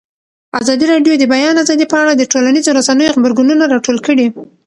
ازادي راډیو د د بیان آزادي په اړه د ټولنیزو رسنیو غبرګونونه راټول کړي.